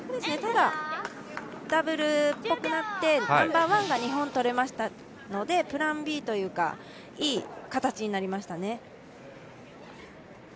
ただ、ダブルっぽくなってナンバーワンが日本取れましたので、プランＢというか、いい形になりましたね。